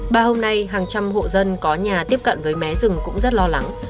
ba hôm nay hàng trăm hộ dân có nhà tiếp cận với mé rừng cũng rất lo lắng